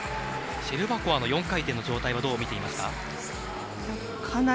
シェルバコワの４回転の状態はどう見ていますか？